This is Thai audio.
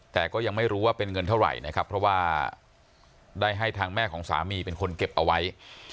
แต่ก็ยังไม่รู้ว่าเป็นเงินเท่าไหร่นะครับเพราะว่าได้ให้ทางแม่ของสามีเป็นคนเก็บเอาไว้